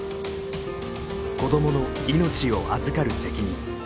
子どもの命を預かる責任。